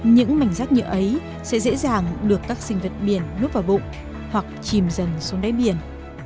những mảnh rác nhựa ấy sẽ dễ dàng được các sinh vật biển lup vào bụng hoặc chìm dần xuống đáy biển